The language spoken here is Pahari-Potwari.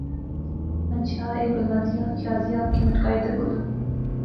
ہنچھا ایہہ گلاں دیاں، شازیہ اکھی مٹکائی تے بولی